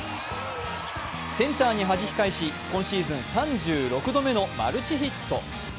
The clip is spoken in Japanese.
センターにはじき返し、今シーズン３６度目のマルチヒット。